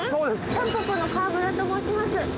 たんぽぽの川村と申します。